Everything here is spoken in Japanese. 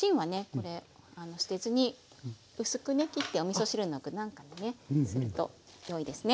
これ捨てずに薄くね切っておみそ汁の具なんかにねするとよいですね。